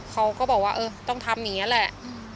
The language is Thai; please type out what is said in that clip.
เขาก็บอกว่าเออต้องทำอย่างนี้แหละ